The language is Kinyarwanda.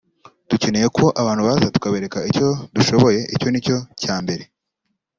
dukeneye ko abantu baza tukabereka ko dushoboye icyo ni cyo cya mbere